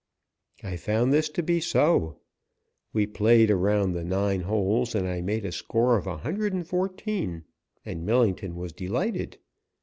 I found this to be so. We played around the nine holes and I made a score of 114, and Millington was delighted.